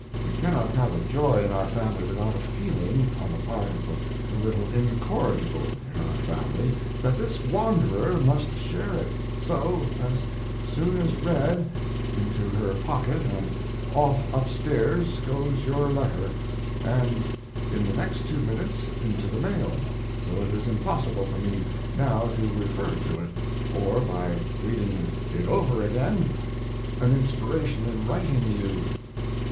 We cannot have a joy in our family without a feeling, on the part of the little incorrigible in our family, that this wanderer must share it, so, as soon as read, into her pocket and off upstairs goes your letter, and in the next two minutes into the mail, so it is impossible for me now to refer to it, or by reading it over gain an inspiration in writing you...